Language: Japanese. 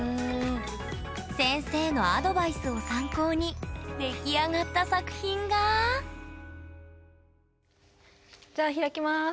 先生のアドバイスを参考に出来上がった作品がじゃあ開きます。